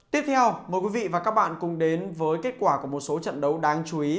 tiếp theo mời quý vị và các bạn cùng đến với kết quả của một số trận đấu đáng chú ý